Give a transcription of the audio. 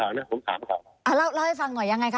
ล่าให้ฟังด้วยยังไงคะ